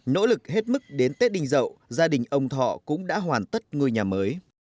nỗ lực hết mức đến tết đinh dậu gia đình ông thọ cũng đã hoàn tất ngôi nhà mới